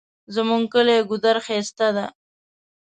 زمونږ کلی ګودر ښایسته ده